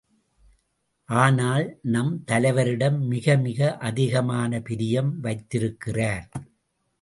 ஆனால், நம் தலைவரிடம் மிகமிக அதிகமான பிரியம் வைத்திருக்கிறார்.